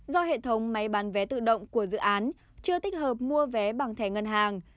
do hệ thống máy bán vé tự động của dự án chưa tích hợp mua vé bằng thẻ ngân hàng